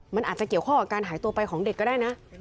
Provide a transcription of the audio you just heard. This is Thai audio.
มันอาจจะเกี่ยวข้องกับการหายตัวไปของเด็กก็ได้นะ